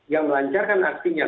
yang melancarkan artinya